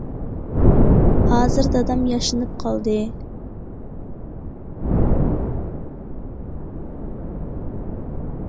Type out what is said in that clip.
ھازىر دادام ياشىنىپ قالدى.